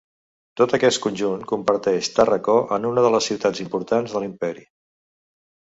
Tot aquest conjunt converteix Tàrraco en una de les ciutats importants de l'imperi.